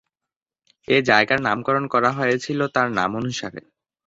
এই জায়গার নামকরণ করা হয়েছিলো তার নাম অনুসারে।